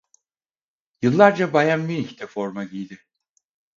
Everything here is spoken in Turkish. Yıllarca Bayern Münih'te forma giydi.